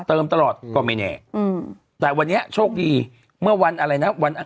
เติมตลอดก็ไม่แน่อืมแต่วันนี้โชคดีเมื่อวันอะไรนะวัน